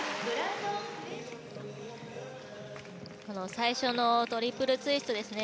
最初のトリプルツイストですね。